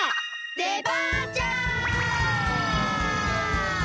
デパーチャー！